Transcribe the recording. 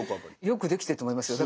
よくできてると思いますよ。